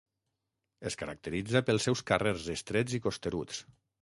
Es caracteritza pels seus carrers estrets i costeruts.